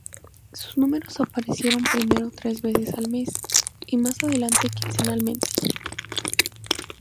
Sus números aparecieron primero tres veces al mes y, más adelante, quincenalmente.